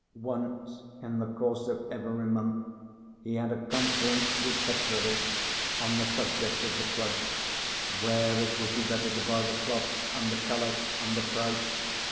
Once, in the course of every month, he had a conference with Petrovitch on the subject of the cloak, where it would be better to buy the cloth, and the colour, and the price.